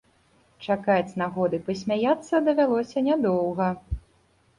Чакаць нагоды пасмяяцца давялося нядоўга.